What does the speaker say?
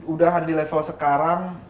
udah hadir level sekarang